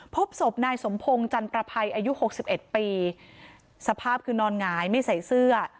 พบศพนายสมพงศ์จันตรภัยอายุหกสิบเอ็ดปีสภาพคือนอนหงายไม่ใส่เสื้อ